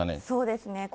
そうですね。